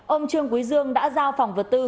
ông trương quý dương đã giao phòng vật tư